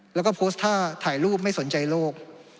แล้วก็โพสต์ท่าถ่ายรูปไม่สนใจโลก